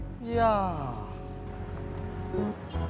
tapi semenjak lihat karyawan